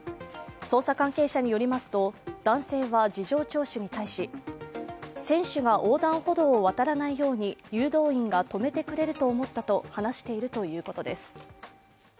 捜査関係者によりますと、男性は事情聴取に対し、選手が横断歩道を渡らないように誘導員が止めてくれると思ったと話しているということです。